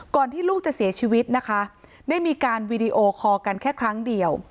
ที่ลูกจะเสียชีวิตนะคะได้มีการวีดีโอคอลกันแค่ครั้งเดียว